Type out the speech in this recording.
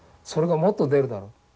それがもっと出るだろう。